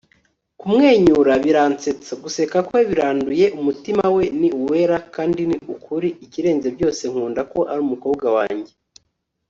kumwenyura biransetsa. guseka kwe biranduye. umutima we ni uwera kandi ni ukuri. ikirenze byose nkunda ko ari umukobwa wanjye